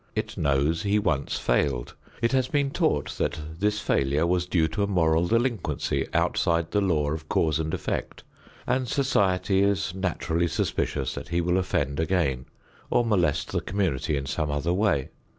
It knows he once failed. It has been taught that this failure was due to a moral delinquency outside the law of cause and effect, and society is naturally suspicious that he will offend again or molest the community in some other way.